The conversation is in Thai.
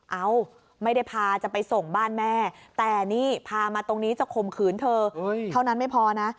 เอาไม่ได้พาจะไปส่งบ้านแม่แต่นี่พามาตรงนี้จะข่มขืนเธอเท่านั้นไม่พอนะ